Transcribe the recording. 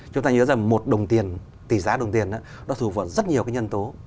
chúng ta nhớ rằng một đồng tiền tỷ giá đồng tiền nó thuộc vào rất nhiều cái nhân tố